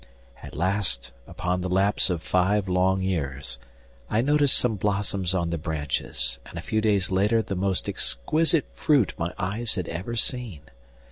At last, after the lapse of five long years, I noticed some blossoms on the branches, and a few days later the most exquisite fruit my eyes had ever seen.